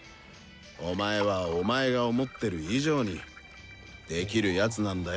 お前はお前が思ってる以上に出来る奴なんだよ。